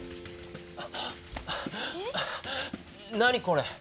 あ何これ？